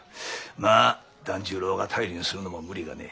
まあ團十郎が頼りにするのも無理がねえ。